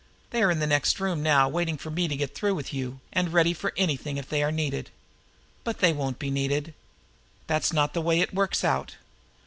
They are in the next room now waiting for me to get through with you, and ready for anything if they are needed. But they won't be needed. That's not the way it works out.